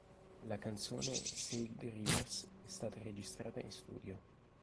La canzone "Sail the Rivers" è stata registrata in studio.